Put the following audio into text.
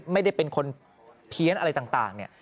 ไม่ได้เป็นคนเพี้ยนอะไรต่างเนี่ย